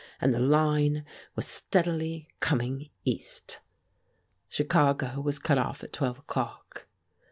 And the line was steadily coming East. Chicago was cut off at twelve o'clock.